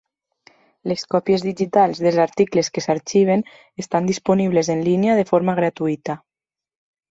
Les còpies digitals dels articles que s'arxiven estan disponibles en línia de forma gratuïta.